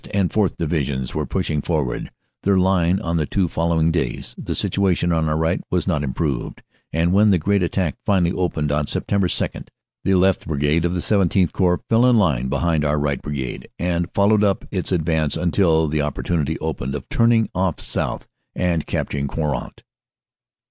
and 4th. Divisions were pushing forward their line on the two following days, the situation on our right was not improved, and when the great attack finally opened on Sept. 2, the left brigade of the XVII Corps fell in line behind our right brigade, and followed up its advance until the oppor tunity opened of turning off south and capturing Queant.